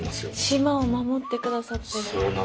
島を守ってくださってる。